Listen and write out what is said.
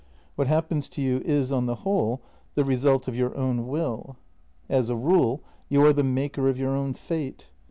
What happens to you is, on the whole, the result of your own will. As a rule, you are the maker of your own fate.